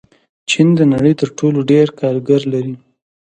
چین د نړۍ تر ټولو ډېر کارګر لري.